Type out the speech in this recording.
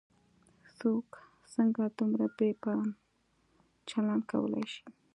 څوک څنګه دومره بې پامه چلن کولای شي.